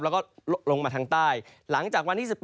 แล้วก็ลงมาทางใต้หลังจากวันที่๑๘